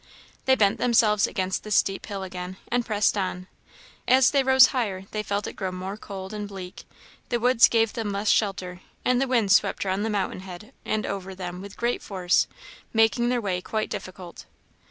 They bent themselves against the steep hill again, and pressed on. As they rose higher, they felt it grow more cold and bleak; the woods gave them less shelter, and the wind swept round the mountain head and over them with great force, making their way quite difficult.